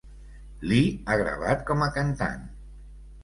Lee ha gravat com a cantant.